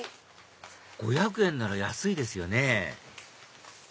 ５００円なら安いですよね